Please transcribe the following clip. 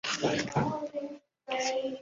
出生于崎玉县熊谷市。